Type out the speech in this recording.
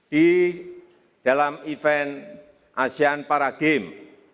di dalam event asean para games